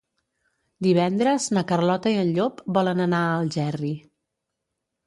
Divendres na Carlota i en Llop volen anar a Algerri.